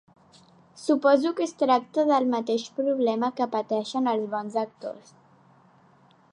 Suposo que es tracta del mateix problema que pateixen els bons actors.